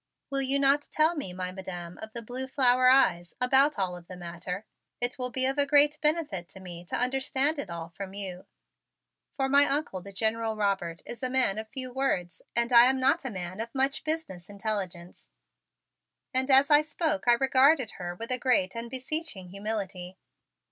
"Will you not tell me, my Madam of the blue flower eyes, about all of the matter? It will be of great benefit to me to understand it all from you, for my Uncle the General Robert is a man of few words and I am not a man of much business intelligence." And as I spoke I regarded her with a great and beseeching humility.